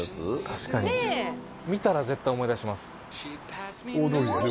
確かに見たら絶対思い出します大通だよね